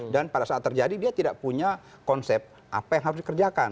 dan pada saat terjadi dia tidak punya konsep apa yang harus dikerjakan